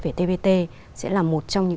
về tpt sẽ là một trong những